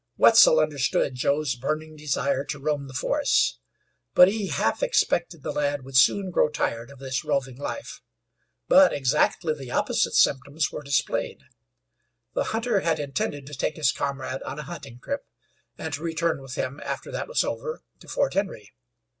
Wetzel understood Joe's burning desire to roam the forests; but he half expected the lad would soon grow tired of this roving life, but exactly the opposite symptoms were displayed. The hunter had intended to take his comrade on a hunting trip, and to return with him, after that was over, to Fort Henry.